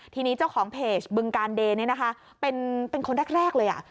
ทีนี้เจ้าของเพจบึงการเดย์เนี่ยนะคะเป็นคนแรกเลยอ่ะ